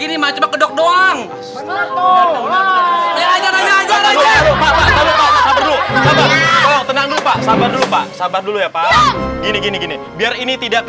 gini mah cuma kedok doang sabar dulu sabar dulu ya pak gini gini gini biar ini tidak